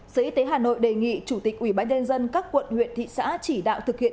sở y tế hà nội đề nghị chủ tịch ubnd các quận huyện thị xã chỉ đạo thực hiện